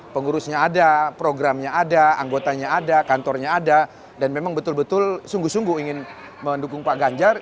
pengurusnya ada programnya ada anggotanya ada kantornya ada dan memang betul betul sungguh sungguh ingin mendukung pak ganjar